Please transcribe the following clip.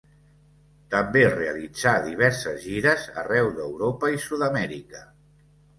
També realitzà diverses gires arreu d'Europa i Sud-amèrica.